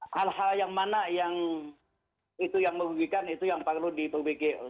hal hal yang mana yang itu yang merugikan itu yang perlu diperbaiki